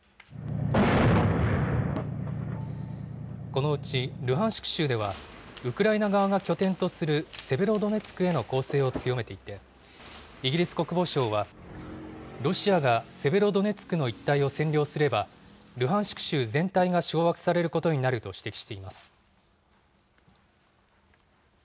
このうちルハンシク州では、ウクライナ側が拠点とするセベロドネツクへの攻勢を強めていて、イギリス国防省は、ロシアがセベロドネツクの一帯を占領すれば、ルハンシク州全体が掌握されることになると指摘しています。